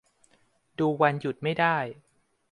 ดูวันหยุดไม่ได้